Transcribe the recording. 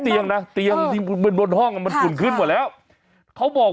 เตียงนะเตียงที่เป็นบนห้องอ่ะมันฝุ่นขึ้นหมดแล้วเขาบอก